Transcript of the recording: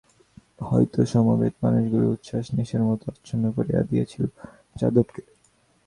হয়তো সমবেত মানুষগুলির উচ্ছাস নেশার মতো আচ্ছন্ন করিয়া দিয়াছিল যাদবকে।